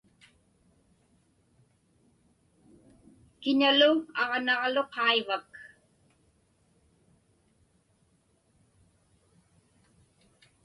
Kiñalu aġnaġlu qaivak?